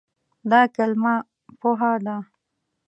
دا کلمه "پوهه" ده.